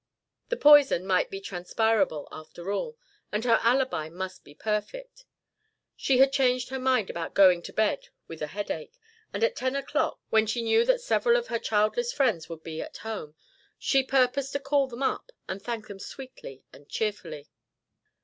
The poison might be transpirable after all, and her alibi must be perfect; she had changed her mind about going to bed with a headache, and at ten o'clock, when she knew that several of her childless friends would be at home, she purposed to call them up and thank them sweetly and cheerfully.